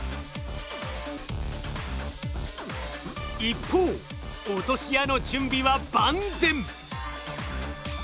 一方落とし屋の準備は万全。